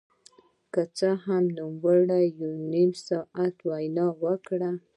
که څه هم نوموړي یو نیم ساعت وینا وکړه